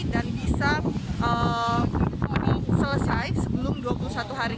dan bisa selesai sebelum dua puluh satu hari